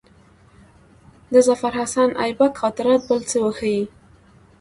د ظفرحسن آیبک خاطرات بل څه ښيي.